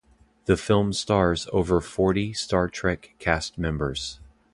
The film stars over forty Star Trek cast members.